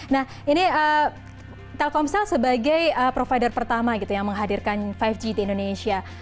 nah ini telkomsel sebagai provider pertama gitu yang menghadirkan lima g di indonesia